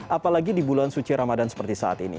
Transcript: apalagi di bulan suci ramadan seperti saat ini